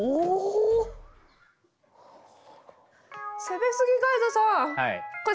攻めすぎガイドさん。